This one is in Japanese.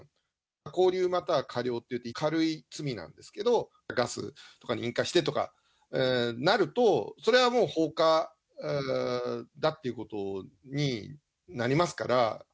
拘留または科料っていって、軽い罪なんですけど、ガスとかに引火してとかになると、それはもう放火だっていうことになりますから。